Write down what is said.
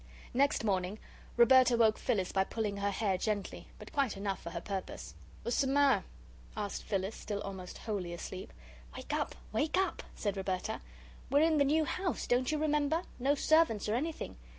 Next morning Roberta woke Phyllis by pulling her hair gently, but quite enough for her purpose. "Wassermarrer?" asked Phyllis, still almost wholly asleep. "Wake up! wake up!" said Roberta. "We're in the new house don't you remember? No servants or anything.